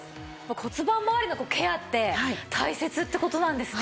骨盤まわりのケアって大切って事なんですね。